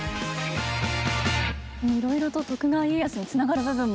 いろいろと徳川家康につながる部分も。